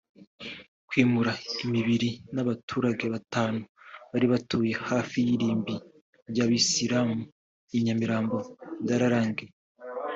Kwimura imibiri n’abaturage batanu bari batuye hafi y’irimbi ry’abayisilamu I Nyambirambo byarangiye